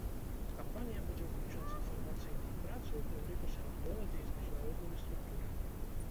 Кампанія будзе ўключаць інфармацыйную працу, у тым ліку сярод моладзі і з міжнароднымі структурамі.